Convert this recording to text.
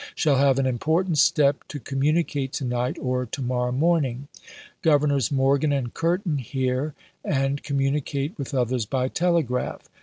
Shall have an important step to communicate to night or to morrow morning. Governors Morgan and Curtin here, and communi cate with others by telegraph.